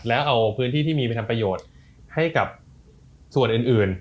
แล้วเอาพื้นที่ที่มีไปทำประโยชน์ให้กับส่วนอื่น